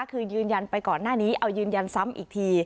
คือยืนยันไปก่อนหน้านี้เอายืนยันซ้ำอีกที